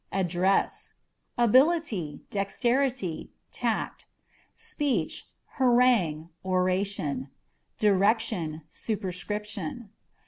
Address â€" ability, dexterity, tact ; speech, harangue, oration ; direction, superscription.